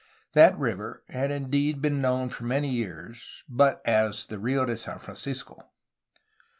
That river had indeed been known for many years, but as the "Rfo de San Francisco."